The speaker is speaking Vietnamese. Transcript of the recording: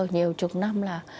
nhiều chục năm là